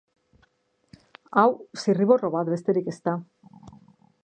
Hau zirriborro bat besterik ez da.